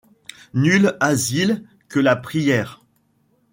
Nul asile que la prière !